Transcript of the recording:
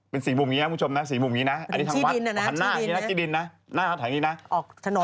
เป็น๔มุมอย่างนี้นะคุณผู้ชมนะ๔มุมอย่างนี้นะอันนี้ทางวัดทางหน้าทางนี้นะทางนี้นะ